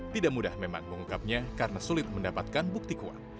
tidak mudah memang mengungkapnya karena sulit mendapatkan bukti kuat